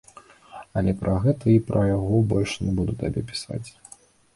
Але пра гэта і пра яго больш не буду табе пісаць.